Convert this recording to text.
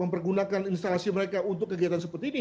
lalu berpenilan pada instalasi mereka untuk kegiatan seperti ini